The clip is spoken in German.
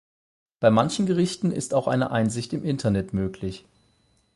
Bei manchen Gerichten ist auch eine Einsicht im Internet möglich.